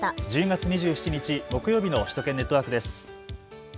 １０月２７日木曜日の首都圏ネットワークです。